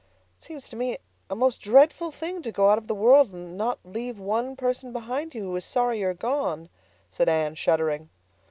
"It seems to me a most dreadful thing to go out of the world and not leave one person behind you who is sorry you are gone," said Anne, shuddering.